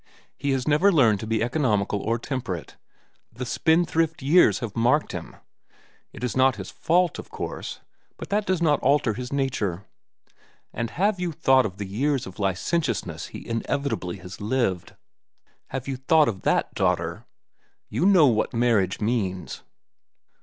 He has never learned to be economical or temperate. The spendthrift years have marked him. It is not his fault, of course, but that does not alter his nature. And have you thought of the years of licentiousness he inevitably has lived? Have you thought of that, daughter? You know what marriage means."